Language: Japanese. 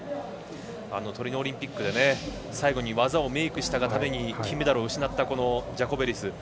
トリノオリンピックで最後に技をメイクしたために金メダルを失ったジャコベリス。